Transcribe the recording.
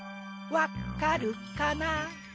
わっかるかな？